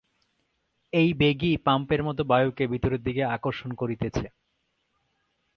এই বেগই পাম্পের মত বায়ুকে ভিতরের দিকে আকর্ষণ করিতেছে।